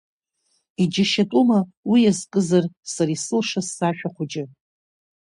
Иџьашьатәума уи иазкызар сара исылшаз сашәа хәыҷ!